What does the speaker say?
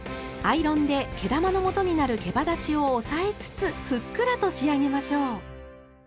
アイロンで毛玉のもとになるけばだちを押さえつつふっくらと仕上げましょう。